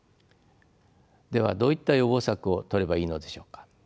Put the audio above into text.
ではどういった予防策を取ればいいのでしょうか。